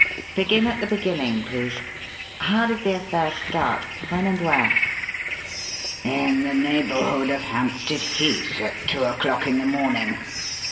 Begin at the beginning, please. How did the affair start? When and where?" "In the neighbourhood of Hampstead Heath at two o'clock in the morning.